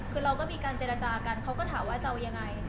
คือเราก็มีการเจรจากันเขาก็ถามว่าจะเอายังไง